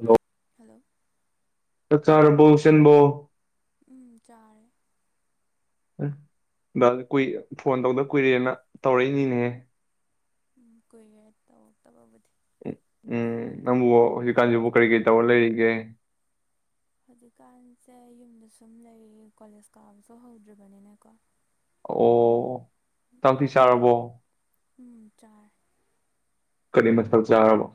hello ꯂꯣ ꯆꯥꯛ ꯆꯥꯔꯕꯣ ꯏꯆꯟꯕꯣ ꯎꯝ ꯆꯥꯔꯦ ꯎꯝ ꯕ ꯀꯨꯏ ꯑ ꯐꯣꯟ ꯇꯧꯗ ꯀꯨꯏꯔꯦꯅ ꯇꯧꯔꯛꯏꯅꯤꯅꯦꯍꯦ ꯀꯨꯢꯔꯦ ꯇꯧꯔꯛꯇꯕꯕꯨꯗꯤ ꯎꯝ ꯎꯝ ꯅꯪꯕꯨ ꯍꯧꯖꯤꯛꯀꯥꯟꯁꯤꯕꯨ ꯀꯔꯤ ꯀꯔꯤ ꯇꯧꯔ ꯂꯩꯔꯤꯒꯦ ꯍꯧꯖꯤꯛꯀꯥꯟꯁꯦ ꯌꯨꯝꯗ ꯁꯨꯝ ꯂꯩꯔꯤ ꯀꯣꯂꯦꯖ ꯀꯥꯕꯁꯨ ꯍꯧꯗ꯭ꯔꯤꯕꯅꯤꯅꯀꯣ ꯑꯣ ꯆꯥꯛꯇꯤ ꯆꯥꯔꯕꯣ ꯎꯝ ꯆꯥꯔꯦ ꯀꯔꯤ ꯃꯊꯦꯜ ꯆꯥꯔꯕꯣ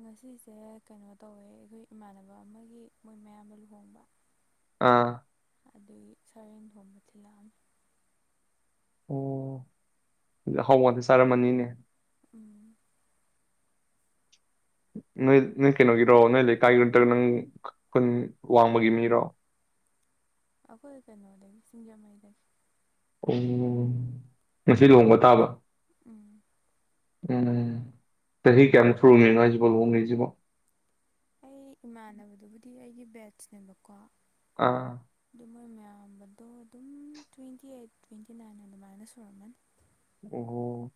ꯉꯁꯤꯁꯦ ꯀꯩꯅꯣ ꯇꯧꯋꯦ ꯑꯩꯈꯣꯏ ꯏꯃꯥꯟꯅꯕ ꯑꯃꯒꯤ ꯃꯣꯏ ꯃꯌꯥꯝꯕ ꯂꯨꯍꯣꯡꯕ ꯑꯥ ꯑꯗꯨꯒꯤ ꯁꯔꯦꯡ ꯊꯣꯡꯕ ꯊꯤꯜꯂꯛꯑꯝꯃꯦ ꯑꯣ ꯑꯍꯥꯎꯕ ꯉꯥꯛꯇ ꯆꯥꯔꯝꯃꯅꯤꯅꯦ ꯎꯝ ꯅꯣꯏ ꯅꯪ ꯀꯩꯅꯣꯒꯤꯔꯣ ꯅꯣꯏ ꯂꯩꯀꯥꯏꯒꯤ ꯅꯠꯇ꯭ꯔꯒ ꯅꯪ ꯈꯨꯟ ꯋꯥꯡꯕꯒꯤ ꯃꯤꯔꯣ [inaudible] ꯑꯩꯈꯣꯏ ꯀꯩꯅꯣ ꯂꯩꯗꯒꯤ ꯁꯤꯡꯖꯃꯩꯗꯒꯤ ꯑꯣ ꯉꯁꯤ ꯂꯨꯍꯣꯡꯕ ꯇꯥꯕ ꯎꯝ ꯎꯝ ꯆꯍꯤ ꯀꯌꯥꯝ ꯁꯨꯔꯒꯦ ꯍꯥꯢꯁꯤꯕꯣ ꯂꯨꯍꯣꯡꯉꯤꯁꯤꯕꯣ ꯑꯩ ꯏꯃꯥꯟꯅꯕꯗꯨꯕꯨꯗꯤ ꯑꯩꯒꯤ ꯕꯦꯠꯆꯅꯦꯕꯀꯣ ꯑꯥ ꯑꯗꯨ ꯃꯣꯏ ꯃꯌꯥꯝ ꯌꯝꯕꯗꯣ ꯑꯗꯨꯝ ꯇ꯭ꯋꯦꯟꯇꯤ ꯑꯩꯠ ꯇ꯭ꯋꯦꯟꯇꯤ ꯅꯥꯏꯟ ꯑꯗꯨꯃꯥꯏꯅ ꯁꯨꯔꯝꯃꯅꯤ ꯑꯣ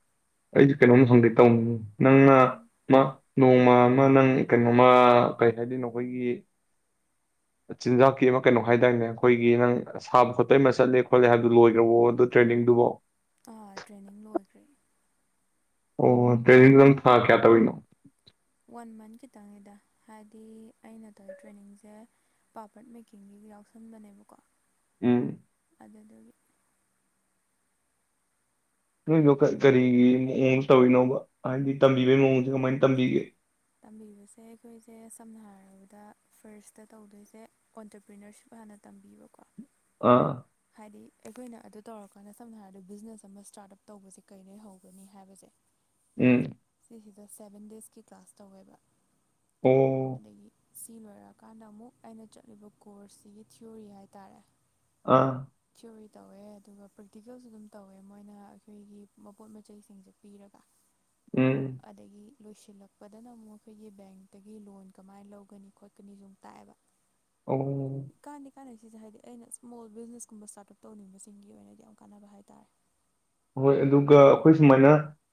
ꯑꯩꯁꯨ ꯀꯩꯅꯣꯝ ꯍꯪꯒꯦ ꯇꯧꯅꯤ ꯅꯪꯅ ꯎꯝ ꯑꯃ ꯅꯣꯡꯃ ꯑꯃ ꯅꯪ ꯀꯩꯅꯣꯃ ꯀꯩ ꯍꯥꯏꯗꯣꯏꯅꯣ ꯑꯩꯈꯣꯏꯒꯤ ꯆꯤꯟꯖꯥꯛꯀꯤ ꯑꯃ ꯀꯩꯅꯣ ꯍꯥꯏꯗꯥꯢꯅꯦ ꯑꯩꯈꯣꯏꯒꯤ ꯅꯪ ꯁꯥꯕ ꯈꯣꯠꯄ ꯑꯃ ꯆꯠꯂꯦ ꯈꯣꯠꯂꯦ ꯍꯥꯏꯕꯗꯨ ꯂꯣꯏꯈ꯭ꯔꯕꯣ ꯑꯗꯨ ꯇ꯭ꯔꯦꯟꯅꯤꯡꯗꯨꯕꯣ ꯑꯥ ꯇ꯭ꯔꯦꯅꯤꯡ ꯂꯣꯏꯈ꯭ꯔꯦ ꯑꯣ ꯇꯦꯟꯅꯤꯡ ꯑꯗꯨꯝ ꯊꯥ ꯀꯌꯥ ꯇꯧꯔꯤꯅꯣ ꯋꯥꯟ ꯃꯟꯠ ꯈꯤꯇꯪꯅꯤꯗ ꯍꯥꯏꯗꯤ ꯑꯩꯅ ꯇꯧꯋꯤ ꯇ꯭ꯔꯦꯅꯤꯡꯁꯦ ꯄꯥꯄ꯭ꯔꯠ ꯃꯦꯀꯤꯡꯒꯤ ꯌꯥꯎꯁꯟꯕꯅꯦꯕꯀꯣ ꯎꯝ ꯑꯗꯨꯗꯨꯒꯤ ꯅꯣꯢꯗꯣ ꯀ ꯀꯔꯤꯒꯤ ꯃꯑꯣꯡ ꯇꯧꯔꯤꯅꯣꯕ ꯍꯥꯏꯗꯤ ꯇꯝꯕꯤꯕꯒꯤ ꯃꯑꯣꯡꯁꯦ ꯀꯃꯥꯏꯅ ꯇꯝꯕꯤꯒꯦ ꯇꯝꯕꯤꯕꯁꯦ ꯑꯩꯈꯣꯏꯁꯦ ꯁꯝꯅ ꯍꯥꯏꯔꯕꯗ ꯐꯥꯔꯁꯇ ꯇꯧꯗꯣꯏꯁꯦ ꯑꯣꯟꯇꯔꯄ꯭ꯔꯤꯅꯔꯁꯤꯞ ꯍꯥꯟꯅ ꯇꯝꯕꯤꯕꯀꯣ ꯑꯥ ꯗꯤ ꯑꯩꯈꯣꯏꯅ ꯑꯗꯨ ꯇꯧꯔꯀꯥꯟꯗ ꯁꯝꯅ ꯍꯥꯏꯔꯕꯗ ꯕꯤꯖꯤꯅꯦꯁ ꯑꯃ ꯁ꯭ꯇꯥꯔꯠ ꯑꯞ ꯇꯧꯕꯁꯦ ꯀꯩꯗꯩ ꯍꯧꯒꯅꯤ ꯍꯥꯏꯕꯁꯦ ꯎꯝ ꯁꯤꯁꯤꯗ ꯁꯦꯚꯦꯟ ꯗꯦꯁꯀꯤ ꯀ꯭ꯂꯥꯁ ꯇꯧꯋꯦꯕ ꯑꯣ ꯑꯗꯒꯤ ꯁꯤ ꯂꯣꯏꯔꯛꯀꯥꯟꯗ ꯑꯃꯨꯛ ꯑꯩꯅ ꯆꯠꯂꯤꯕ ꯀꯣꯔꯁꯁꯤꯒꯤ ꯊꯤꯑꯣꯔꯤ ꯍꯥꯏꯇꯥꯔꯦ ꯑꯥ ꯑꯗꯨꯢ ꯇꯧꯋꯦ ꯑꯗꯨꯒ ꯄ꯭ꯔꯦꯛꯇꯤꯀꯦꯜꯁꯨ ꯑꯗꯨꯝ ꯇꯧꯋꯦ ꯃꯣꯏꯅ ꯑꯩꯈꯣꯏꯒꯤ ꯃꯄꯣꯠ ꯃꯆꯩꯁꯤꯡꯁꯦ ꯄꯤꯔꯒ ꯎꯝ ꯑꯗꯒꯤ ꯂꯣꯏꯁꯤꯜꯂꯛꯄꯗꯅ ꯑꯃꯨꯛ ꯑꯩꯈꯣꯏꯒꯤ ꯕꯦꯡꯇꯒꯤ ꯂꯣꯟ ꯀꯃꯥꯏꯅ ꯂꯧꯒꯅꯤ ꯈꯣꯠꯀꯅꯤꯁꯨꯨ ꯃꯨꯛ ꯇꯥꯛꯑꯦꯕ ꯑꯣ ꯆꯥꯟꯅꯩꯁꯤꯁꯦ ꯍꯥꯏꯗꯤ ꯑꯩꯅ ꯏꯁꯃꯣꯜ ꯕꯤꯖꯤꯅꯦꯁꯀꯨꯝꯕ ꯁ꯭ꯇꯥꯔꯠ ꯑꯞ ꯇꯧꯅꯤꯡꯕꯁꯤꯡꯒꯤ ꯑꯣꯏꯅꯗꯤ ꯌꯥꯝ ꯀꯥꯟꯅꯕ ꯍꯥꯏꯇꯥꯔꯦ ꯍꯣꯏ ꯑꯗꯨꯒ ꯑꯩꯈꯣꯏ ꯁꯨꯃꯥꯏꯅ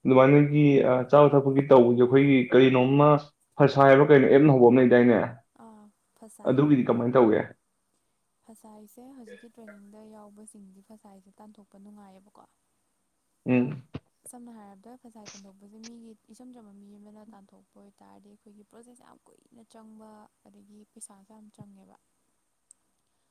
ꯑꯗꯨꯃꯥꯏꯅꯒꯤ ꯆꯥꯕ ꯊꯛꯄꯒꯤ ꯇꯧꯕꯁꯦ ꯑꯩꯈꯣꯏꯒꯤ ꯀꯔꯤꯅꯣꯝ ꯑꯃ ꯐꯁꯥꯏꯔꯣ ꯀꯩꯅꯣ ꯑꯦꯞ ꯍꯧꯕ ꯑꯃ ꯂꯩꯗꯥꯏꯅꯦ ꯑꯥ ꯑꯗꯨꯒꯤꯗꯤ ꯀꯃꯥꯏꯅ ꯇꯧꯒꯦ ꯐꯁꯥꯢꯁꯦ ꯍꯧꯖꯤꯛꯀꯤ ꯇ꯭ꯔꯦꯅꯤꯡꯗ ꯌꯥꯎꯕꯁꯦ ꯄꯤꯟꯗꯤ ꯐꯁꯥꯏꯁꯦ ꯇꯥꯟꯊꯣꯛꯄ ꯅꯨꯡꯉꯥꯏꯌꯦꯕꯀꯣ ꯎꯝ ꯁꯝꯅ ꯍꯥꯏꯔꯕꯗ ꯐꯖꯥꯏ ꯇꯥꯟꯊꯣꯛꯄꯁꯦ ꯃꯤꯒꯤ ꯏꯆꯝ ꯆꯝꯕ ꯃꯤ ꯑꯃꯅ ꯇꯥꯟꯊꯣꯛꯄ ꯑꯣꯏꯇꯥꯥꯔꯗꯤ ꯑꯩꯈꯣꯏꯒꯤ ꯄ꯭ꯔꯣꯁꯦꯁ ꯌꯥꯝ ꯀꯨꯏꯅ ꯆꯪꯕ ꯑꯗꯒꯤ ꯄꯩꯁꯥꯁꯨ ꯌꯥꯝ ꯆꯪꯉꯦꯕ [unintelligible]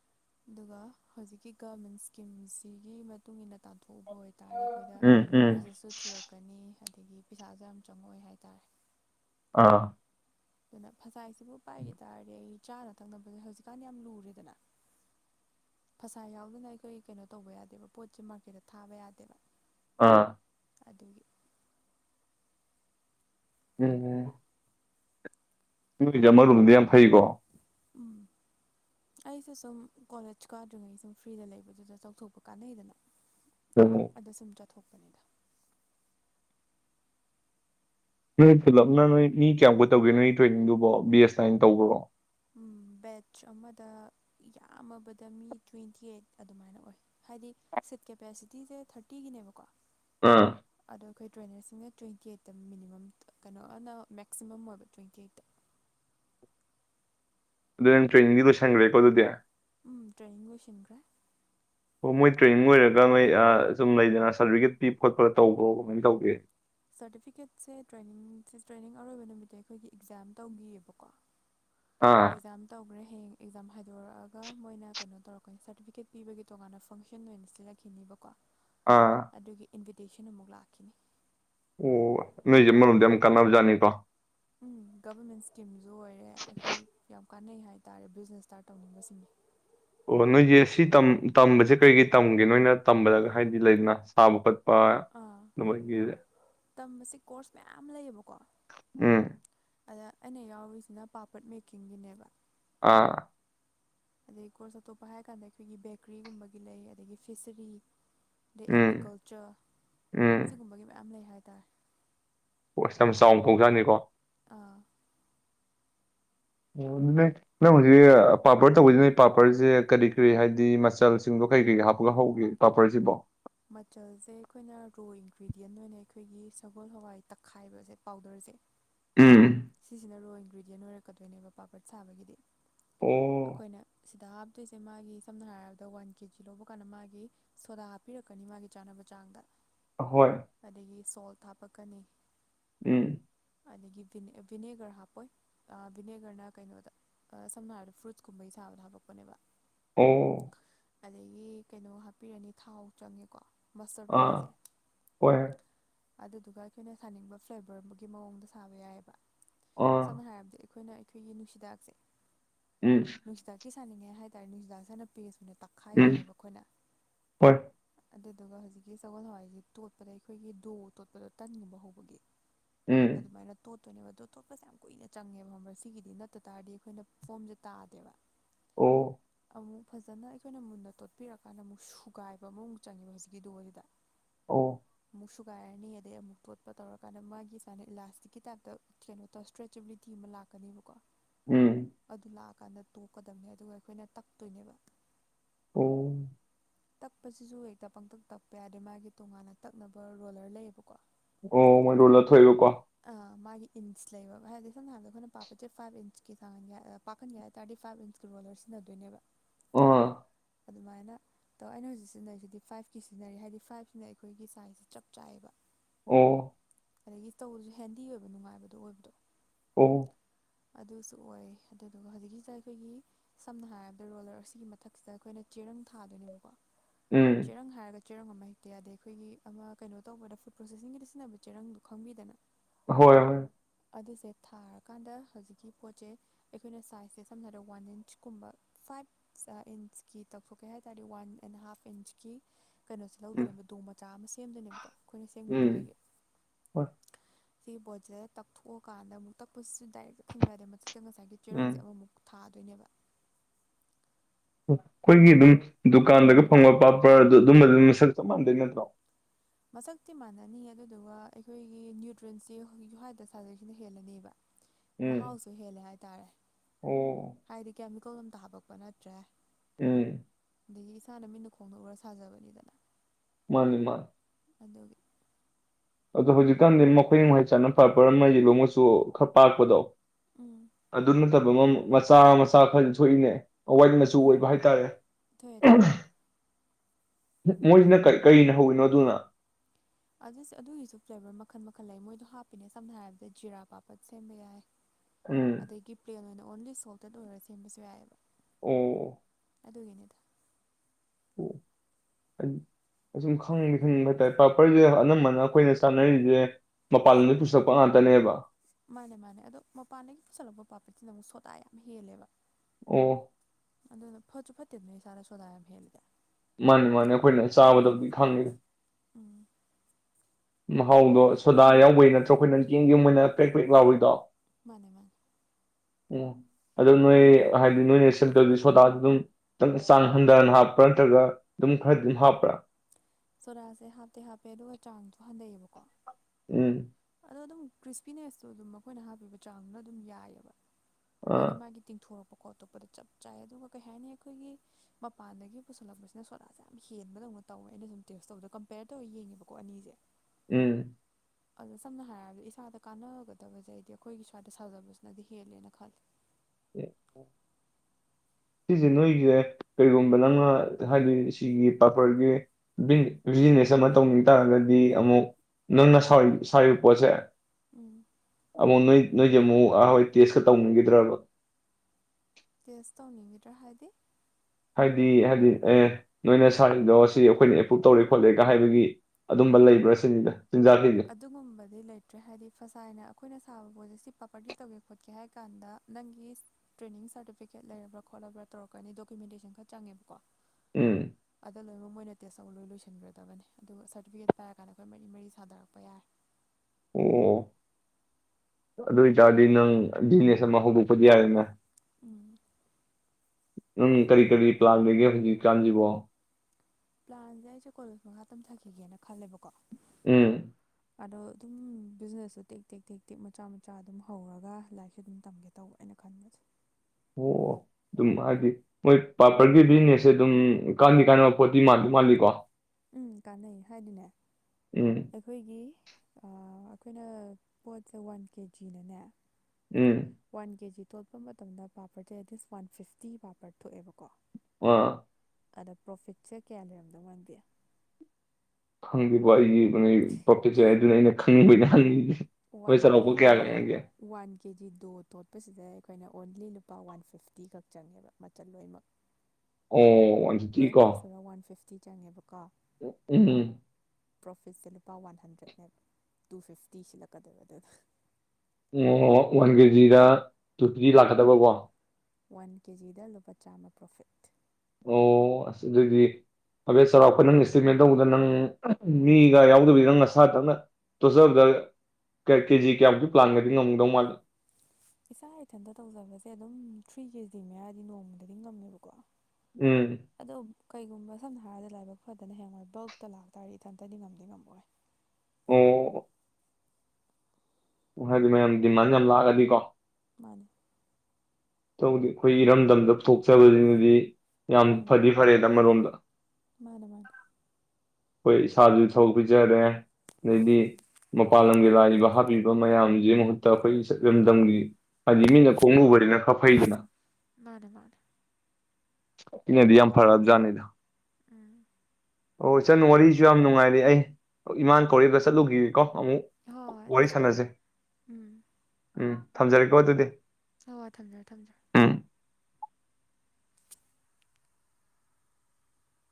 ꯑꯗꯨꯒ ꯍꯧꯖꯤꯛꯀꯤ ꯒꯃꯦꯟ ꯏꯁꯀꯤꯝꯁꯤꯒꯤ ꯃꯇꯨꯡ ꯏꯟꯅ ꯇꯥꯟꯊꯣꯛ ꯎꯕ ꯑꯣꯏꯇꯥꯔꯗꯤ ꯑꯩꯈꯣꯏꯗ ꯎꯝ ꯎꯝ ꯄ꯭ꯔꯣꯁꯦꯁꯁꯨ ꯊꯨꯔꯛꯀꯅꯤ ꯑꯗꯒꯤ ꯄꯩꯁꯥꯁꯦ ꯌꯥꯝ ꯆꯪꯉꯛ ꯑꯣꯢ ꯍꯥꯏꯇꯥꯔꯦ ꯑꯥ ꯑꯗꯨꯅ ꯐꯖꯥꯏꯁꯤꯕꯨ ꯄꯥꯏꯈꯤ ꯇꯥꯔꯗꯤ ꯑꯩ ꯆꯥꯅ ꯊꯛꯅꯕꯁꯦ ꯍꯧꯖꯤꯛꯀꯥꯟ ꯌꯥꯝ ꯂꯨꯔꯦꯗꯅ ꯐꯁꯥꯢ ꯌꯥꯎꯗꯅ ꯑꯩꯈꯣꯏ ꯀꯩꯅꯣ ꯇꯧꯕ ꯌꯥꯗꯦꯕ ꯄꯣꯠꯁꯦ ꯃꯥꯔꯀꯦꯠꯇ ꯊꯥꯕ ꯌꯥꯗꯦꯕ ꯑꯥ ꯑꯗꯨꯒꯤ [unintelligible] ꯅꯣꯏꯒꯤꯖꯦ ꯑꯃꯔꯣꯝꯗꯤ ꯌꯥꯝ ꯐꯩꯀꯣ ꯑꯩꯁꯦ ꯁꯨꯝ ꯀꯣꯂꯦꯖ ꯀꯥꯗ꯭ꯔꯤꯉꯩ ꯁꯨꯝ ꯐ꯭ꯔꯤꯗ ꯂꯩꯕꯗꯨꯗ ꯇꯧꯊꯣꯛꯄ ꯀꯥꯟꯅꯩꯗꯅ ꯎꯝ ꯑꯗ ꯁꯨꯝ ꯆꯠꯊꯣꯛꯄꯅꯤꯗ ꯅꯣꯏ ꯄꯨꯂꯞꯅ ꯅꯣꯏ ꯃꯤ ꯀꯌꯥꯃꯨꯛꯀ ꯇꯧꯒꯦ ꯅꯣꯏ ꯇ꯭ꯔꯦꯅꯤꯡꯗꯨꯕꯣ ꯕꯦꯁ ꯅꯥꯏꯅ ꯇꯧꯕ꯭ꯔꯣ ꯎꯝ ꯕꯦꯠꯆ ꯑꯃꯗ ꯌꯥꯝꯃꯕꯗ ꯃꯤ ꯇ꯭ꯋꯦꯟꯇꯤꯑꯦꯠ ꯑꯗꯨꯃꯥꯏꯅ ꯑꯣꯏ ꯍꯥꯏꯗꯤ ꯁꯤꯠ ꯀꯦꯄꯦꯁꯤꯇꯤꯁꯦ ꯊꯥꯔꯇꯤꯒꯤꯅꯦꯕꯀꯣ ꯑꯥ ꯑꯗꯣ ꯑꯩꯈꯣꯏ ꯇ꯭ꯔꯦꯅꯔꯁꯤꯡꯅ ꯇ꯭ꯋꯦꯟꯇꯤ ꯑꯩꯠꯇ ꯃꯤꯅꯤꯃꯝ ꯀꯩꯅꯣꯅ ꯃꯦꯛꯁꯤꯃꯝ ꯑꯣꯏꯕ ꯇ꯭ꯋꯦꯟꯇꯤ ꯑꯩꯠꯇ [inaudible] ꯑꯗꯨ ꯅꯪ ꯇ꯭ꯔꯦꯅꯤꯡꯗꯤ ꯂꯣꯢꯁꯤꯟꯒ꯭ꯔꯦꯀꯣ ꯑꯗꯨꯗꯤ ꯎꯝ ꯇ꯭ꯔꯦꯅꯤꯡ ꯂꯣꯏꯁꯤꯟꯈ꯭ꯔꯦ ꯑꯣ ꯃꯣꯏ ꯇ꯭ꯔꯦꯅꯤꯡ ꯂꯣꯏꯔꯒ ꯅꯣꯏ ꯑ ꯁꯨꯝ ꯂꯩꯗꯅ ꯁꯥꯔꯇꯤꯐꯤꯀꯦꯠ ꯄꯤ ꯈꯣꯠꯄ꯭ꯔꯥ ꯇꯧꯕ꯭ꯔꯣ ꯀꯃꯥꯏꯅ ꯇꯧꯒꯦ ꯁꯥꯔꯇꯤꯐꯤꯀꯦꯠꯁꯦ ꯇ꯭ꯔꯦꯅꯤꯡ ꯇ꯭ꯔꯦꯅꯤꯡ ꯑꯔꯣꯏꯕ ꯅꯨꯃꯤꯠꯇ ꯑꯩꯈꯣꯏꯒꯤ ꯑꯦꯛꯖꯥꯝ ꯇꯧꯒꯤꯌꯦꯕꯀꯣ [inaudible] ꯑꯦꯛꯖꯥꯝ ꯇꯧꯒ꯭ꯔꯦ ꯍꯌꯦꯡ ꯑꯦꯛꯖꯥꯝ ꯍꯥꯏꯗꯣꯔꯛꯑꯒ ꯃꯣꯏꯅ ꯀꯩꯅꯣ ꯇꯧꯔꯛꯀꯅꯤ ꯁꯥꯔꯇꯤꯐꯤꯀꯦꯠ ꯄꯤꯕꯒꯤ ꯇꯣꯉꯥꯟꯅ ꯐꯪꯁꯟ ꯑꯣꯏꯅ ꯁꯤꯜꯂꯛꯈꯤꯅꯤꯕꯀꯣ ꯑꯥ ꯏꯟꯚꯤꯇꯦꯁꯟ ꯑꯃꯨꯛ ꯂꯥꯛꯈꯤꯅꯤ ꯑꯣ ꯅꯣꯏꯁꯦ ꯃꯔꯣꯝꯗ ꯌꯥꯝ ꯀꯥꯟꯅꯕꯖꯥꯠꯅꯤꯀꯣ ꯎꯝ ꯒꯕꯃꯦꯟ ꯁ꯭ꯀꯤꯝꯖꯨ ꯑꯣꯏꯔꯦ ꯑꯩꯈꯣꯏ ꯌꯥꯝ ꯀꯥꯟꯅꯩ ꯍꯥꯏꯇꯥꯔꯦ ꯕꯤꯖꯤꯅꯦꯁ ꯁ꯭ꯇꯥꯔꯠ ꯇꯧꯅꯤꯡꯕꯁꯤꯡꯒꯤ ꯑꯣ ꯅꯣꯏꯖꯦ ꯁꯤ ꯇꯝ ꯇꯝꯕꯖꯦ ꯀꯩ ꯀꯩ ꯇꯝꯒꯦ ꯅꯣꯏꯅ ꯇꯝꯕꯗꯒ ꯍꯥꯏꯗꯤ ꯂꯩꯗꯅ ꯁꯥꯕ ꯄꯣꯠ ꯑꯥ ꯇꯝꯕꯁꯦ ꯀꯣ꯭ꯔꯁ ꯃꯌꯥꯝ ꯂꯩꯌꯦꯕꯀꯣ ꯎꯝ ꯑꯗ ꯑꯩꯅ ꯌꯥꯎꯔꯤꯁꯤꯅ ꯄꯥꯄ꯭ꯔꯠ ꯃꯦꯀꯤꯡꯒꯤꯅꯦꯕ ꯑꯥ ꯑꯗꯩ ꯀꯣ꯭ꯔꯁ ꯑꯇꯣꯞꯄ ꯍꯥꯏꯔ ꯀꯥꯟꯗ ꯑꯩꯈꯣꯏꯒꯤ ꯕꯦꯀ꯭ꯔꯤꯒꯨꯝꯕꯒꯤ ꯂꯩ ꯑꯗꯒꯤ ꯐ꯭ꯤꯁꯁꯔꯤ ꯑꯗꯩ ꯎꯝ ꯑꯦꯄꯤꯀꯜꯆꯔ ꯎꯝ ꯁꯤꯒꯨꯝꯕꯒꯤ ꯃꯌꯥꯝ ꯂꯩ ꯍꯥꯏ ꯇꯥꯏ ꯑꯣ ꯌꯥꯝ ꯆꯥꯎ ꯀꯧꯖꯥꯠꯅꯤꯀꯣ ꯑꯥ ꯑꯣ ꯅꯪ ꯅꯪ ꯍꯨꯖꯤꯛ ꯄꯥꯄ꯭ꯔꯠ ꯇꯧꯕꯩ ꯄꯥꯄꯔꯖꯦ ꯀꯔꯤ ꯀꯔꯤ ꯍꯥꯏꯗꯤ ꯃꯆꯜꯁꯤꯡꯗꯣ ꯀꯩ ꯀꯩ ꯍꯥꯞꯄꯒ ꯍꯧꯒꯦ ꯄꯥꯄꯔꯖꯤꯕꯣ ꯃꯆꯜꯁꯦ ꯈꯣꯏꯅ ꯔꯣ ꯏꯟꯒ꯭ꯔꯤꯗꯤꯌꯟ ꯑꯣꯏꯅ ꯈꯣꯏꯒꯤ ꯁꯒꯣꯜ ꯍꯋꯥꯏ ꯇꯛꯈꯥꯏꯕꯁꯦ ꯄꯥꯎꯗꯔꯖꯦ ꯎꯝ ꯁꯤꯁꯤꯅ ꯔꯣ ꯏꯟꯒ꯭ꯔꯤꯗꯤꯌꯟ ꯑꯣꯏꯔꯛꯀꯗꯣꯏꯅꯦꯕ ꯄꯥꯄ꯭ꯔꯠ ꯁꯥꯕꯒꯤꯗꯤ ꯑꯣ ꯑꯈꯣꯏꯅ ꯁꯤꯗ ꯍꯥꯞ ꯁꯤꯁꯦ ꯃꯥꯒꯤ ꯁꯝꯅ ꯍꯥꯏꯔꯕꯗ ꯋꯥꯟ ꯀꯦꯖꯤ ꯂꯧꯕ ꯀꯥꯟꯗ ꯃꯥꯒꯤ ꯁꯣꯗꯥ ꯍꯥꯞꯄꯤꯔꯛꯀꯅꯤ ꯃꯥꯒꯤ ꯆꯥꯅꯕ ꯆꯥꯡꯗ ꯑꯍꯣꯏ ꯑꯗꯒꯤ ꯁꯣꯜꯠ ꯍꯥꯄꯛꯀꯅꯤ ꯎꯝ ꯑꯗꯒꯤ ꯕꯤꯅꯦꯒꯔ ꯍꯥꯞꯄꯣꯏ ꯕꯤꯅꯦꯒꯔꯅ ꯀꯩꯅꯣꯗ ꯁꯝꯅ ꯍꯥꯏꯔꯕꯗ ꯐ꯭ꯔꯨꯠꯁ ꯀꯨꯝꯕꯩ ꯁꯥꯕꯗ ꯍꯥꯄꯛꯄ ꯑꯣ ꯑꯗꯒꯤ ꯀꯩꯅꯣ ꯍꯥꯞꯄꯤꯔꯅꯤ ꯊꯥꯎ ꯆꯪꯉꯦꯀꯣ ꯃ꯭ꯁꯇ꯭ꯔꯠ ꯑꯣꯏꯜꯖꯦ ꯑꯥ ꯍꯣꯏ ꯑꯗꯨꯗꯨꯒ ꯑꯩꯈꯣꯏꯅ ꯁꯥꯅꯤꯡꯕ ꯐ꯭ꯂꯦꯕꯔ ꯑꯃꯒꯤ ꯃꯑꯣꯡꯗ ꯁꯥꯕ ꯌꯥꯏꯑꯕ ꯑꯥ ꯁꯝꯅ ꯍꯥꯏꯔꯕꯗ ꯑꯩꯈꯣꯏꯅ ꯑꯩꯈꯣꯏꯒꯤ ꯅꯨꯡꯁꯤꯗꯥꯛꯁꯦ ꯎꯝ ꯅꯨꯡꯁꯤꯗꯥꯛꯀꯤ ꯁꯥꯟꯅꯤꯡꯉꯦ ꯍꯥꯏꯇꯥꯔꯗꯤ ꯅꯨꯡꯁꯤꯗꯥꯛ ꯁꯦ ꯍꯅ ꯄꯦꯁ ꯎꯝ ꯇꯛꯈꯥꯏꯗꯣꯏꯅꯦꯕ ꯑꯩꯈꯣꯏꯅ ꯍꯣꯏ ꯑꯗꯨ ꯑꯗꯨꯒ ꯍꯨꯖꯤꯛꯀꯤ ꯁꯒꯣꯜ ꯍꯋꯥꯏꯖꯦ ꯇꯣꯠꯄꯗ ꯑꯩꯈꯣꯏꯒꯤ ꯗꯣ ꯇꯣꯠꯄꯗꯣ ꯇꯟ ꯒꯨꯝꯕ ꯍꯧꯕꯒꯤ ꯎꯝ ꯑꯗꯨꯃꯥꯏꯅ ꯇꯣꯠꯇꯣꯏꯅꯦꯕ ꯗꯣ ꯇꯣꯠꯄꯁꯦ ꯌꯥꯝ ꯀꯨꯏꯅ ꯆꯪꯉꯦꯕ ꯈꯪꯕ꯭ꯔ ꯁꯤꯒꯤꯗꯤ ꯅꯠꯇ ꯇꯥꯔꯗꯤ ꯈꯣꯏꯅ ꯐꯣꯝꯖꯦ ꯇꯥꯗꯦꯕ ꯑꯣ ꯑꯃꯨꯛ ꯐꯖꯅ ꯑꯩꯈꯣꯏꯅ ꯃꯨꯟꯅ ꯇꯣꯠꯄꯤꯔꯛꯀꯥꯟꯗ ꯑꯃꯨꯛ ꯁꯨꯒꯥꯏꯕ ꯑꯃꯃꯨꯛ ꯆꯪꯉꯦꯕ ꯍꯨꯖꯤꯛꯀꯤ [unintelligible] ꯑꯣ ꯑꯃꯨꯛ ꯁꯨꯒꯥꯏꯔꯅꯤ ꯑꯗꯩ ꯑꯃꯨꯛ ꯇꯣꯠꯄ ꯇꯧꯔꯀꯥꯟꯗ ꯃꯥꯒꯤ ꯁ꯭ꯃꯥꯏꯅ ꯏꯂꯥꯁꯇꯤꯛꯀꯤ ꯇꯥꯏꯞꯇ ꯀꯩꯅꯣ ꯇꯧ ꯁ꯭ꯇꯔꯦꯠꯆꯦꯕꯤꯂꯤꯇꯤ ꯌꯨꯝꯃ ꯂꯛꯀꯅꯤꯕꯀꯣ ꯎꯝ ꯑꯗꯨ ꯂꯛ ꯀꯥꯟꯗ ꯇꯣꯛꯀꯗꯕꯅꯦ ꯑꯗꯨꯒ ꯑꯩꯈꯣꯏꯅ ꯇꯛꯇꯣꯏꯅꯦꯕ ꯑꯣ ꯇꯛꯄꯁꯤꯁꯨ ꯍꯦꯛꯇ ꯄꯪꯇꯛ ꯇꯛꯄ ꯌꯥꯗꯦ ꯃꯥꯒꯤ ꯇꯣꯉꯥꯟꯅ ꯇꯛꯅꯕ ꯔꯣꯂ꯭ꯔ ꯂꯩꯌꯦꯕꯀꯣ ꯑꯣ ꯃꯣꯏ ꯔꯣꯂ꯭ꯔ ꯊꯣꯛ ꯑꯦꯕꯀꯣ ꯑꯥ ꯃꯥꯒꯤ ꯏꯟꯁ ꯂꯩꯕ ꯍꯥꯏꯗꯤ ꯁꯝꯅ ꯍꯥꯏꯔꯕꯗ ꯑꯩꯈꯣꯏꯅ ꯄꯥꯄ꯭ꯔꯠꯁꯦ ꯐꯥꯏꯚ ꯏꯟꯁꯀꯤ ꯆꯥꯡ ꯄꯥꯛꯈꯟꯒꯦ ꯍꯥꯏ ꯇꯥꯔꯇꯤ ꯐꯥꯏꯚ ꯏꯟꯁꯀꯤ ꯔꯣꯂ꯭ꯔꯁꯤ ꯅꯗꯣꯢꯅꯦ ꯕ [unintelligible] ꯑꯗꯨꯃꯥꯏꯅ ꯇꯣ ꯑꯩꯅ ꯍꯨꯖꯤꯛ ꯁꯤꯖꯤꯟꯅꯔꯤ ꯁꯤꯗꯤ ꯐꯥꯏꯚꯀꯤ ꯁꯤꯖꯤꯟꯅꯔꯤ ꯍꯥꯏꯗꯤ ꯐꯥꯏꯚꯁꯤꯅ ꯑꯩꯈꯣꯏꯒꯤ ꯁꯥ꯭ꯏꯖꯁꯦ ꯆꯞ ꯆꯥꯏꯌꯦꯕ ꯑꯣ ꯑꯗꯒꯤ ꯇꯧꯕꯁꯨ ꯍꯦꯟꯗꯤ ꯑꯣꯏꯕ ꯅꯨꯡꯉꯥꯏꯕꯗꯣ ꯑꯣꯏꯕꯗꯣ ꯑꯣ ꯑꯗꯨꯁꯨ ꯑꯣꯏ ꯑꯗꯨꯗꯨꯒ ꯍꯧꯖꯤꯛꯀꯤꯁꯤꯗ ꯑꯩꯈꯣꯏꯒꯤ ꯁꯝꯅ ꯍꯥꯏꯔꯕꯗ ꯔꯣꯂꯔ ꯑꯁꯤꯒꯤ ꯃꯊꯛꯁꯤꯇ ꯑꯩꯈꯣꯏꯅ ꯆꯦꯔꯪ ꯊꯥꯗꯣꯏꯅꯦꯕꯀꯣ ꯆꯦꯔꯪ ꯍꯥꯏꯔꯒ ꯆꯦꯔꯪ ꯑꯃ ꯍꯦꯛꯇ ꯌꯥꯗꯦ ꯑꯩꯈꯣꯏꯒꯤ ꯑꯃ ꯀꯩꯅꯣ ꯇꯧꯕꯗ ꯐꯨꯗ ꯄ꯭ꯔꯣꯁꯦꯁꯤꯡꯒꯤꯗ ꯁꯤꯖꯤꯟꯅꯕ ꯆꯦꯔꯪꯗꯣ ꯈꯪꯕꯤꯗꯅ ꯍꯣꯏ ꯍꯣꯏ ꯑꯗꯨꯁꯦ ꯊꯥꯔꯀꯥꯟꯗ ꯍꯧꯖꯤꯛꯀꯤ ꯄꯣꯠꯁꯦ ꯑꯩꯈꯣꯏꯅ ꯁꯥꯏꯖꯁꯦ ꯁꯝꯅ ꯍꯥꯏꯔꯕꯒ ꯋꯥꯟ ꯏꯟꯆ ꯀꯨꯝꯕ ꯐꯥꯏꯕ ꯏꯟꯁꯀꯤ ꯇꯧꯊꯣꯛꯀꯦ ꯍꯥꯏ ꯇꯥꯔꯗꯤ ꯋꯥꯟ ꯑꯦꯟ ꯍꯥꯐ ꯏꯟꯁꯀꯤ ꯀꯩꯅꯣꯁꯦ ꯂꯧꯗꯣꯏꯅꯦꯕ ꯗꯣ ꯃꯆꯥ ꯑꯃ ꯁꯦꯝꯗꯣꯏꯅꯦꯕ ꯀꯣ ꯑꯩꯈꯣꯏꯅ ꯁꯦꯝꯒ꯭ꯔꯤꯗꯨꯗꯒꯤ ꯁꯤ ꯄꯣꯠꯁꯤ ꯇꯛꯊꯣꯛ ꯑꯀꯥꯟꯗ ꯑꯃꯨꯛ ꯇꯞ ꯄꯁꯤꯁꯨ ꯗꯥꯢꯔꯦꯛ ꯈꯨꯟꯕ ꯌꯗꯦ ꯃꯊꯛꯇ ꯉꯁꯥꯏꯒꯤ ꯆꯦꯔꯪꯁꯦ ꯑꯃꯃꯨꯛ ꯊꯥꯗꯣꯏꯅꯦꯕ ꯑꯩꯈꯣꯏꯒꯤ ꯑꯗꯨꯝ ꯗꯨꯀꯥꯟꯗꯒ ꯐꯪꯕ ꯄꯥꯄꯔ ꯑꯗꯨ ꯗꯨꯝꯕ ꯑꯗꯨ ꯃꯁꯛ ꯆꯞ ꯃꯥꯟꯅꯗꯣꯏ ꯅꯠꯇ꯭ꯔꯣ ꯃꯁꯛꯇꯤ ꯃꯥꯟꯅꯅꯤ ꯑꯗꯨꯗꯨꯒ ꯑꯩꯈꯣꯏꯒꯤ ꯅ꯭ꯌꯨꯇ꯭ꯔꯤꯟꯁꯤ [unintelligible] ꯁꯨꯋꯥꯢꯗ ꯁꯥꯖꯔꯤꯁꯤꯅ ꯍꯦꯜꯂꯅꯦꯕ ꯃꯍꯥꯎꯁꯨ ꯍꯦꯜꯂꯦ ꯍꯥꯏꯇꯥꯔꯦ ꯍꯥꯏꯗꯤ ꯀꯌꯥ ꯀꯜꯑꯝꯇ ꯍꯥꯄꯛꯄ ꯅꯠꯇ꯭ꯔꯦ ꯎꯝ ꯑꯗꯒꯤ ꯏꯁꯥꯅ ꯃꯤꯠꯅ ꯈꯣꯡꯗ ꯎꯔ ꯁꯥꯖꯕꯅꯤꯗꯅ ꯃꯥꯟꯅꯦ ꯃꯥ ꯑꯗꯨꯒꯤ ꯑꯗꯣ ꯍꯧꯖꯤꯛꯀꯥꯟꯗꯤ ꯃꯈꯣꯏ ꯃꯈꯩ ꯆꯠꯅꯝ ꯄꯄꯔ ꯑꯃ ꯌꯦꯂꯣꯃꯁꯨ ꯈ ꯄꯥꯛꯄꯗꯣ ꯎꯝ ꯐꯠꯇꯕ ꯑꯃ ꯃꯆꯥ ꯃꯆꯥ ꯈꯖꯨ ꯇꯣꯛꯏꯅꯦ ꯋꯥꯏꯠ ꯃꯆꯨ ꯑꯣꯏꯕ ꯎꯝ ꯍꯥꯏꯇꯥꯔꯦ ꯊꯣꯛꯑꯦ ꯊꯣꯛꯑꯦ [unintelligible] ꯃꯣꯏꯁꯤꯅ ꯀ ꯀꯩꯅ ꯍꯧꯋꯤꯅꯣ ꯑꯗꯨꯅ ꯑꯗꯨ ꯑꯗꯨꯒꯤꯁꯨ ꯐ꯭ꯂꯦꯕꯔ ꯃꯈꯜ ꯃꯈꯜ ꯂꯩ ꯃꯣꯏꯗꯣ ꯍꯥꯞꯄꯤꯅꯦ ꯁꯝꯅ ꯍꯥꯏꯔꯕꯗ ꯖꯤꯔꯥ ꯄꯥꯄꯠ ꯁꯦꯝꯕ ꯌꯥꯏ ꯎꯝ ꯑꯗꯒꯤ ꯄ꯭ꯂꯦꯟ ꯑꯣꯏꯅ ꯑꯣꯟꯂꯤ ꯁꯣꯜꯇꯦꯠ ꯑꯣꯏꯔꯒ ꯁꯦꯝꯕꯁꯨ ꯌꯥꯏꯑꯕ ꯑꯣ ꯑꯗꯨꯒꯤꯅꯤꯗ ꯑꯣ [unintelligible] ꯑꯁꯨꯝ ꯈꯪ ꯈꯪꯅꯤꯡꯕ ꯍꯥꯏꯇꯥꯔꯦ ꯄꯥꯄꯔꯁꯦ ꯑꯅꯝꯕꯅ ꯑꯩꯈꯣꯏꯅ ꯆꯥꯅꯔꯤꯁꯦ ꯃꯄꯥꯟ ꯂꯝꯗꯒꯤ ꯄꯨꯁꯜꯄ ꯉꯥꯛꯇꯅꯦꯕ ꯃꯥꯅꯦ ꯃꯥꯅꯦ ꯑꯗꯣ ꯃꯄꯥꯟꯗꯒꯤ ꯄꯨꯁꯜꯂꯛꯄ ꯄꯥꯄꯠꯁꯤꯅꯃꯨꯛ ꯁꯣꯗꯥ ꯌꯥꯝ ꯍꯦꯜꯂꯦꯕ ꯑꯣ ꯑꯗꯨꯅ ꯐꯠꯁꯨ ꯐꯠꯇꯦꯗꯅꯦ ꯢꯁꯥꯗ ꯁꯣꯗꯥ ꯌꯥꯝ ꯍꯦꯜꯂꯗꯤ ꯃꯥꯅꯤ ꯃꯥꯅꯤ ꯑꯩꯈꯣꯏꯅ ꯆꯥꯕꯗꯗꯤ ꯈꯪꯉꯤ ꯎꯝ ꯃꯍꯥꯎꯗꯣ ꯁꯣꯗꯥ ꯌꯥꯎꯕꯩ ꯅꯠꯇ꯭ꯔꯣ ꯑꯩꯈꯣꯏꯅ ꯒꯦꯝ ꯒꯦꯝ ꯃꯣꯏꯅ ꯄꯦꯛ ꯄꯦꯛ ꯂꯥꯎꯏꯗꯣ ꯃꯥꯅꯦ ꯃꯥꯅꯦ ꯑꯣ ꯑꯗꯣ ꯅꯣꯏ ꯍꯥꯏꯗꯤ ꯅꯣꯏꯅ ꯁꯦꯝꯇꯕꯗꯤ ꯁꯣꯗꯥꯗꯨ ꯑꯗꯨꯝ ꯈꯤꯇꯪ ꯆꯥꯡ ꯍꯟꯗꯍꯟꯅ ꯍꯥꯞꯄ꯭ꯔꯥ ꯅꯠꯇ꯭ꯔꯒ ꯗꯨꯝ ꯈꯔ ꯑꯗꯨꯝ ꯍꯥꯄ꯭ꯔꯥ ꯁꯣꯗꯥꯁꯦ ꯍꯥꯞꯇꯦ ꯍꯥꯞꯄꯦ ꯑꯗꯨꯒ ꯆꯥꯡꯁꯨ ꯍꯟꯗꯩꯌꯦꯕꯀꯣ ꯎꯝ ꯑꯗꯣ ꯑꯗꯨꯝ ꯀ꯭ꯔꯤꯁꯄꯤꯅꯦꯁꯇꯣ ꯑꯗꯨꯝ ꯃꯈꯣꯏꯅ ꯍꯥꯞꯄꯤꯕ ꯆꯥꯡꯗꯨꯅ ꯑꯗꯨꯝ ꯌꯥꯏꯑꯕ ꯍꯥꯏꯗꯤ ꯑꯥ ꯃꯥꯒꯤ ꯇꯤꯡꯊꯣꯔꯛꯄ ꯀꯣ ꯑꯇꯣꯞꯄꯗ ꯆꯞ ꯆꯥꯏ ꯑꯗꯨꯒ ꯀꯩ ꯍꯥꯏꯅꯤ ꯑꯩꯈꯣꯏꯒꯤ ꯃꯄꯥꯟꯗꯒꯤ ꯄꯨꯁꯤꯜꯂꯛꯄꯁꯤꯅ ꯁꯣꯗꯥꯁꯦ ꯌꯥꯝ ꯍꯦꯟꯕꯗꯧꯅ ꯇꯧꯋꯦ ꯑꯩꯅ ꯁꯨꯝ ꯇꯦꯁ ꯇꯧꯕꯗꯣ ꯀꯝꯄꯦꯔ ꯇꯧꯔ ꯌꯦꯡꯉꯦꯕꯀꯣ ꯑꯅꯤꯁꯦ ꯎꯝ ꯑꯗꯣ ꯁꯝꯅ ꯍꯥꯏꯔꯕꯗ ꯏꯁꯥꯗ ꯀꯥꯟꯅꯒꯗꯕꯁꯦ ꯑꯩꯗꯤ ꯑꯩꯈꯣꯏꯒꯤ ꯁ꯭ꯋꯥꯏꯗ ꯁꯥꯖꯕꯁꯤꯅꯗꯤ ꯍꯦꯜꯂꯦꯅ ꯈꯜꯂꯤ ꯑꯦ ꯁꯤꯁꯦ ꯅꯣꯏꯒꯤꯁꯦ ꯀꯩꯒꯨꯝꯕ ꯅꯪꯅ ꯍꯥꯏꯗꯤ ꯁꯤꯒꯤ ꯄꯥꯄꯔꯒꯤ ꯕꯤ [unintelligible] ꯑꯃ ꯇꯧꯅꯤꯡ ꯇꯥꯔꯒꯗꯤ ꯑꯃꯨꯛ ꯅꯪꯅ ꯁ ꯧꯁꯥꯔꯤꯕ ꯄꯣꯠꯁꯦ ꯎꯝ ꯅꯣꯏ ꯅꯣꯏꯒꯤ ꯑꯃꯨꯛ ꯍꯣꯏ ꯇꯦꯁꯀ ꯇꯧꯅꯤꯡꯈꯤꯗ꯭ꯔꯕ ꯇꯧꯅꯤꯡꯒꯤꯗ꯭ꯔꯥ ꯍꯥꯏꯗꯤ ꯍꯥꯏꯗꯤ ꯍꯥꯏꯗꯤ ꯑꯦ ꯅꯣꯏꯅ ꯁꯥꯔꯤꯗꯣ ꯁꯤ ꯑꯩꯈꯣꯏꯅ ꯑꯦꯄ꯭ꯔꯨꯞ ꯇꯧꯔꯦ ꯈꯣꯠꯂꯦꯒ ꯍꯥꯏꯕꯒꯤ ꯑꯗꯨꯝꯕ ꯂꯩꯕ꯭ꯔꯥ ꯁꯤꯅꯤꯗ ꯆꯤꯟꯖꯥꯛꯁꯤꯡꯁꯦ ꯑꯗꯨꯒꯨꯝꯕꯗꯤ ꯂꯩꯇ꯭ꯔꯦ ꯍꯥꯏꯗꯤ ꯐꯁꯥꯏꯅ ꯑꯩꯈꯣꯏꯅ ꯁꯥꯕ ꯄꯣꯠꯁꯦ ꯁꯤ ꯄ꯭ꯔꯣꯄꯔꯂꯤ ꯇꯧꯒꯦ ꯈꯣꯠꯀꯦ ꯍꯥꯏꯔ ꯀꯥꯟꯗ ꯅꯪꯒꯤ ꯇ꯭ꯔꯦꯅꯤꯡ ꯁꯥꯔꯇꯤꯐꯤꯀꯦꯠ ꯂꯩꯔꯕ꯭ꯔ ꯈꯣꯠꯂ꯭ꯔ ꯇꯧꯔꯛꯀꯅꯤ ꯗꯣꯀꯨꯃꯦꯟꯗꯦꯁꯟ ꯈꯔ ꯆꯪꯉꯦꯕꯀꯣ ꯎꯝ ꯑꯗ ꯂꯣꯏꯅꯃꯛ ꯃꯣꯏꯅ ꯇꯦꯁ ꯇꯧ ꯂꯣꯏ ꯂꯣꯏꯁꯤꯟꯒ꯭ꯔꯗꯕꯅꯤ ꯑꯗꯨꯒ ꯁꯥꯔꯇꯤꯐꯤꯀꯦꯠ ꯄꯥꯏꯔꯀꯥꯟꯗ ꯑꯩꯈꯣꯏ ꯃꯔꯤ ꯃꯔꯤ ꯁꯥꯗꯔꯛ ꯑꯣ ꯑꯗꯨ ꯑꯣꯏꯇꯥꯔꯗꯤ ꯅꯪ ꯕꯤꯖꯤꯅꯦꯁ ꯑꯃ ꯍꯧꯗꯣꯛꯄꯗꯤ ꯌꯥꯔꯦꯅꯦ ꯎꯝ ꯎꯝ ꯀꯔꯤ ꯀꯔꯤ ꯄ꯭ꯂꯥꯟ ꯂꯩꯒꯦ ꯍꯧꯖꯤꯛ ꯀꯥꯟꯁꯤꯕꯣ ꯄ꯭ꯂꯥꯟꯁꯦ ꯑꯩꯁꯦ ꯀꯣꯂꯦꯖ ꯃꯈꯥ ꯇꯝꯊꯈꯤꯒꯦꯅ ꯈꯜꯂꯦꯕꯣ ꯎꯝ ꯑꯗꯣ ꯑꯗꯨꯝ ꯕꯤꯖꯤꯅꯦꯁꯇꯣ ꯇꯦꯛ ꯇꯦꯛ ꯇꯦꯛ ꯇꯦꯛ ꯃꯆꯥ ꯃꯆꯥ ꯑꯗꯨꯝ ꯍꯧꯔꯒ ꯂꯥꯏꯔꯤꯛꯁꯨ ꯑꯗꯨꯝ ꯇꯝꯒꯦ ꯇꯧꯕ ꯑꯩꯅ ꯈꯟꯝꯗꯨ ꯑꯣ ꯑꯗꯨꯝ ꯍꯥꯏꯗꯤ ꯃꯣꯏ ꯄꯥꯄꯔꯒꯤ ꯕꯤꯖꯤꯅꯦꯁꯁꯦ ꯑꯗꯨꯝ ꯀꯥꯟꯒꯤ ꯀꯥꯟꯅꯕ ꯄꯣꯠꯇꯤ ꯃꯥꯜꯂꯤ ꯃꯥꯜꯂꯤꯀꯣ ꯎꯝ ꯀꯥꯟꯅꯩ ꯍꯥꯏꯗꯤꯅꯦ ꯎꯝ ꯑꯩꯈꯣꯏꯒꯤ ꯑꯩꯈꯣꯏꯅ ꯄꯣꯠꯁꯦ ꯋꯥꯟ ꯀꯦꯖꯤꯅꯅꯦ ꯎꯝ ꯋꯥꯟ ꯀꯦꯖꯤ ꯇꯣꯠꯄ ꯃꯇꯝꯗ ꯄꯥꯄꯔꯁꯦ ꯑꯦꯠꯂꯤꯁ ꯋꯥꯟ ꯐꯤꯐꯇꯤ ꯄꯥꯄꯔ ꯊꯣꯛꯑꯦꯕꯀꯣ ꯑꯥ ꯑꯗ ꯄ꯭ꯔꯣꯐꯤꯠꯁꯦ ꯀꯌꯥ ꯂꯩꯔꯝꯗꯣ ꯃꯥꯟꯒꯦ ꯈꯪꯗꯦꯕꯣ ꯑꯩꯁꯦ ꯄ꯭ꯔꯣꯐꯤꯠꯆꯦ ꯑꯗꯨꯅ ꯑꯩꯅ ꯈꯪꯅꯤꯡꯕꯩ ꯍꯪꯉꯤꯁꯦ ꯃꯣꯏ ꯋꯥꯟ ꯆꯥꯎꯔꯥꯛꯄ ꯀꯌꯥ ꯀꯦꯖꯤ ꯂꯩꯅꯒꯦ ꯋꯥꯟ ꯀꯦꯖꯤ ꯗꯣ ꯇꯣꯠꯄꯁꯤꯗ ꯑꯩꯈꯣꯏꯅ ꯑꯣꯟꯂꯤ ꯂꯨꯄꯥ ꯋꯥꯟ ꯐꯤꯐꯇꯤ ꯈꯛ ꯆꯪꯉꯦꯕ ꯃꯆꯜ ꯂꯣꯏꯅꯃꯛ ꯑꯣ ꯋꯥꯟ ꯐꯤꯐꯇꯤ ꯀꯣ ꯂꯣꯏꯅꯃꯛꯁꯤꯗ ꯋꯥꯟ ꯐꯤꯐꯇꯤ ꯆꯪꯉꯦꯕꯀꯣ ꯎꯝ ꯄ꯭ꯔꯣꯐꯤꯠꯁꯦ ꯂꯨꯄꯥ ꯋꯥꯟ ꯍꯟꯗ꯭ꯔꯦꯠꯅꯦꯕ ꯇꯨ ꯐꯤꯐꯇꯤ ꯁꯤꯜꯂꯛꯀꯗꯣꯏꯕ ꯑꯗꯨꯗ ꯑꯣ ꯋꯥꯟ ꯀꯦꯖꯤꯗ ꯇꯨ ꯐꯤꯐꯇꯤ ꯂꯥꯛꯀꯗꯕꯀꯣ ꯋꯥꯟ ꯀꯦꯖꯤꯗ ꯂꯨꯄꯥ ꯆꯥꯝꯃ ꯄ꯭ꯔꯣꯐꯤꯠ ꯑꯣ ꯑꯁ ꯑꯗꯨꯗꯤ ꯑꯕꯦ ꯆꯥꯎꯔꯥꯛ ꯅꯪꯅꯅ ꯑꯦꯁꯇꯤꯃꯦꯠ ꯇꯧꯕꯗ ꯅꯪ ꯃꯤꯒ ꯌꯥꯎꯗꯕꯤ ꯅꯪ ꯅꯁꯥꯗꯪꯅ ꯇꯣꯁꯔꯗ ꯀꯦꯖꯤ ꯀꯌꯥꯃꯨꯛꯇꯤ ꯄ꯭ꯂꯥꯟꯒꯗꯤ ꯉꯝꯗꯧ ꯃꯥꯜꯂꯤ ꯏꯆꯥ ꯏꯊꯟꯇ ꯇꯧꯖꯕꯁꯦ ꯑꯗꯨꯝ ꯊ꯭ꯔꯤ ꯀꯦ ꯖꯤ ꯃꯌꯥꯗꯤ ꯅꯣꯡꯃꯗ ꯑꯗꯨꯝ ꯉꯝꯃꯦꯕꯀꯣ ꯎꯝ ꯑꯗꯣ ꯀꯩꯒꯨꯝꯕ ꯁꯝꯅ ꯍꯥꯏꯔꯕꯗ ꯂꯥꯏꯕꯛ ꯐꯗꯅ ꯍꯌꯦꯡꯋꯥꯏ ꯕꯜꯇ ꯂꯥꯛꯇꯥꯔꯗꯤ ꯏꯊꯟꯇꯗꯤ ꯉꯝꯗꯤ ꯉꯝꯃꯣꯏ ꯑꯣ ꯍꯥꯏꯗꯤ ꯃꯌꯥꯝ ꯗꯤꯃꯥꯟ ꯌꯥꯝ ꯂꯥꯛꯑꯗꯤꯀꯣ ꯃꯥꯅꯤ ꯇꯧꯗꯤ ꯑꯩꯈꯣꯏ ꯏꯔꯝꯗꯝꯗ ꯄꯨꯊꯣꯛꯆꯕꯁꯤꯡꯗꯨꯗꯤ ꯌꯥꯝ ꯎꯝ ꯐꯗꯤ ꯐꯔꯦꯗ ꯑꯃꯔꯣꯝꯗ ꯃꯥꯅꯦ ꯃꯥꯅꯤ ꯑꯩꯈꯣꯏ ꯏꯁꯥꯁꯨ ꯊꯕꯛ ꯄꯤꯖꯔꯦ ꯑꯗꯩꯗꯤ ꯎꯝ ꯃꯄꯥꯟ ꯂꯝꯒꯤ ꯆꯥꯔꯤꯕ ꯍꯥꯞꯄꯤꯕ ꯃꯌꯥꯝꯁꯤꯒꯤ ꯃꯍꯨꯠꯇ ꯑꯩꯈꯣꯏꯒꯤ ꯏꯔꯝꯗꯝꯒꯤ ꯍꯥꯏꯗꯤ ꯃꯤꯅ ꯈꯣꯡꯅ ꯎꯕꯅꯤꯅ ꯃꯥꯅꯦ ꯃꯥꯅꯦ ꯁꯤꯅꯗꯤ ꯌꯥꯝ ꯐꯔꯖꯥꯠꯅꯤꯗ ꯑꯣ ꯏꯆꯅ ꯋꯥꯔꯤꯁꯨ ꯌꯥꯝ ꯅꯨꯡꯉꯥꯏꯔꯤ ꯑꯩ ꯏꯃꯥꯟ ꯀꯧꯔꯦ ꯑꯃꯨꯛꯇ ꯆꯠꯂꯨꯈꯤꯒꯦ ꯀꯣ ꯑꯃꯨꯛ ꯍꯣꯏ ꯍꯣꯏ ꯋꯥꯔꯤ ꯁꯥꯟꯅꯁꯦ ꯎꯝ ꯎꯝ ꯊꯝꯖꯔꯦꯀꯣ ꯑꯗꯨꯗꯤ ꯍꯣꯏ ꯍꯣꯏ ꯊꯝꯖꯔꯦ ꯊꯝꯖꯔꯦ ꯎꯝ